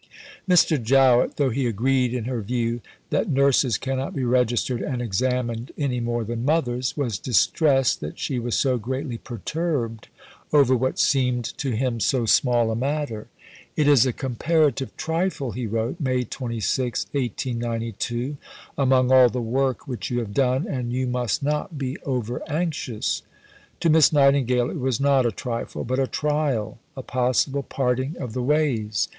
Mr. Jowett, though he agreed in her view "that nurses cannot be registered and examined any more than mothers," was distressed that she was so greatly perturbed over what seemed to him so small a matter. "It is a comparative trifle," he wrote (May 26, 1892), "among all the work which you have done, and you must not be over anxious." To Miss Nightingale it was not a trifle, but a trial a possible parting of the ways.